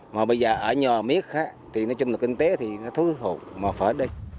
mà bây giờ ở nhò miếc thì nói chung là kinh tế thì nó thú hụt mà phải ở đây